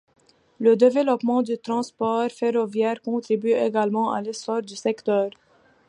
Le développement du transport ferroviaire contribue également à l'essor du secteur.